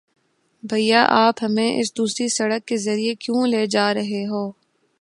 بھیا، آپ ہمیں اس دوسری سڑک کے ذریعے کیوں لے جا رہے ہو؟